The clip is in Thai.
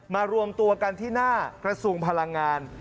รวมตัวกันที่หน้ากระทรวงพลังงาน